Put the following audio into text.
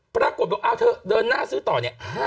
ปรากฏโบด้วยเอาเถอะเดินหน้าซื้อต่อนี้